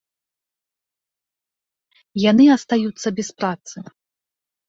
Яны астаюцца без працы.